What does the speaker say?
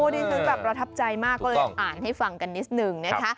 ดีนึงแบบประทับใจมากเลยอ่านให้ฟังกันนิดนึง